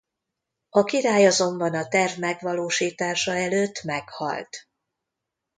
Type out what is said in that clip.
A király azonban a terv megvalósítása előtt meghalt.